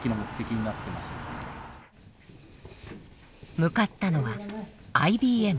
向かったのはＩＢＭ。